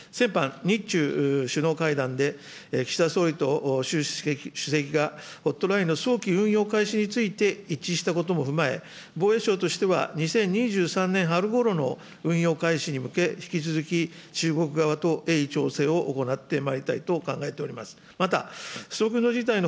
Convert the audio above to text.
先般、日中首脳会談で岸田総理と習主席がホットラインの早期運用開始について一致したことも踏まえ、防衛省としては２０２３年春ごろの運用開始に向け、引き続き中国側と鋭意調整を行ってまいりたいと考えております。